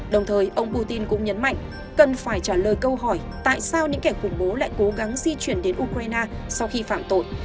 đồng thời ông putin cũng nhấn mạnh cần phải trả lời câu hỏi tại sao những kẻ khủng bố lại cố gắng di chuyển đến ukraine sau khi phạm tội